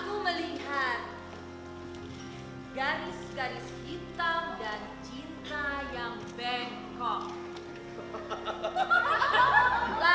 aku melihat garis garis kaki